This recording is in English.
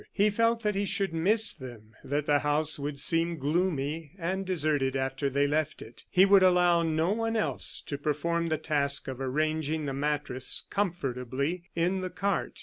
He felt that he should miss them, that the house would seem gloomy and deserted after they left it. He would allow no one else to perform the task of arranging the mattress comfortably in the cart.